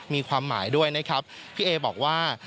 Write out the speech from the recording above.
มีความหมายด้วยนะครับพี่เอบอกว่า